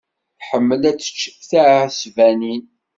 Tḥemmel ad tečč tiɛesbanin.